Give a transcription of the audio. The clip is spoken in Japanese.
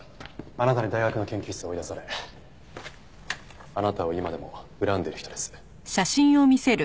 あなたに大学の研究室を追い出されあなたを今でも恨んでる人です。